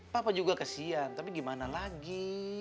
papa juga kesian tapi gimana lagi